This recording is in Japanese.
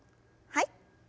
はい。